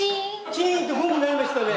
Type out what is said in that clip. チーンってゴング鳴りましたね。